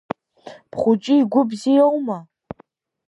Бхәыҷы игәы бзиоума?